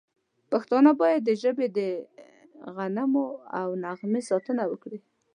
پښتانه باید د ژبې د غنمو او نغمې ساتنه وکړي.